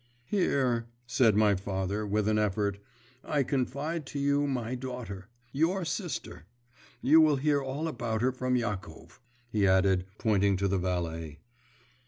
'"Here," said my father with an effort, "I confide to you my daughter your sister. You will hear all about her from Yakov," he added, pointing to the valet.